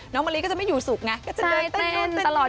น้องมะลิก็จะไม่อยู่สุขไงก็จะเดินเต้นที่น้ำร้าน